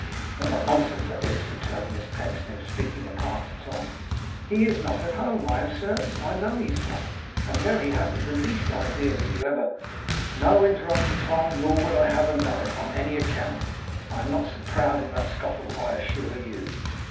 'But what nonsense that is!' returned Miss Pecksniff, speaking apart to Tom. 'He is not at home, I am certain. I know he is not; and Merry hasn't the least idea that you ever ' 'No,' interrupted Tom. 'Nor would I have her know it, on any account. I am not so proud of that scuffle, I assure you.